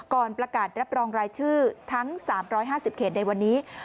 ก่อนประกาศรับรองรายชื่อทั้ง๓๕๐เขตในวันนี้